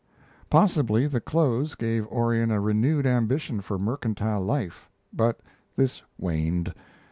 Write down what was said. Possibly the clothes gave Orion a renewed ambition for mercantile life, but this waned.